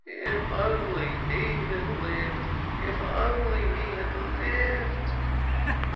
"If only he had lived ! if only he Bad lived !"